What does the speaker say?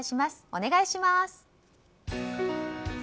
お願いします。